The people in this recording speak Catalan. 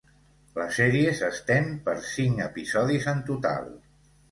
La sèrie s'estén per cinc episodis en total.